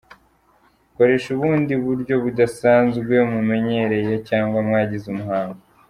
Koresha ubundi buryo mudasanzwe mumenyereye cyangwa mwagize umuhango.